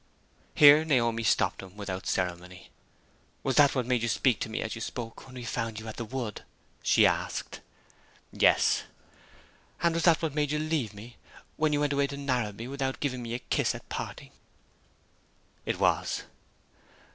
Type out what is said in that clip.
Here Naomi stopped him without ceremony. "Was that what made you speak to me as you spoke when we found you at the wood?" she asked. "Yes." "And was that what made you leave me, when you went away to Narrabee, without giving me a kiss at parting?" "It was."